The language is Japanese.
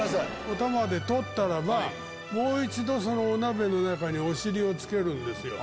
おたまで取ったらばもう一度そのお鍋の中にお尻をつけるんですよ。